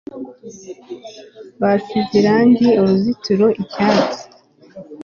basize irangi uruzitiro icyatsi